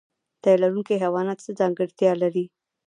تی لرونکي حیوانات څه ځانګړتیا لري؟